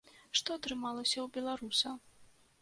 Што атрымалася ў беларуса?